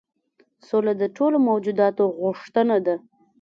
سوله د ټولو موجوداتو غوښتنه ده.